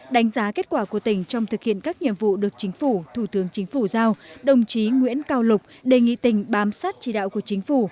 đánh giá kết quả của tỉnh trong thực hiện các nhiệm vụ được chính phủ thủ tướng chính phủ giao đồng chí nguyễn cao lục đề nghị tỉnh bám sát chỉ đạo của chính phủ